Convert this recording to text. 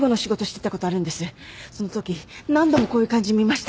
そのとき何度もこういう感じ見ました。